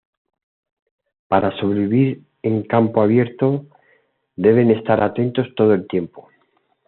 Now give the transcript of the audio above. Para sobrevivir en campo abierto, deben estar atentos todo el tiempo.